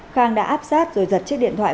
khang đã áp sát rồi giật chiếc điện thoại